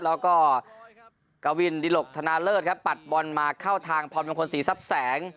แล้วก็กวินดิหลกธนาเลิศครับปัดบอลมาเข้าทางพรมงคลศรีทรัพย์แสง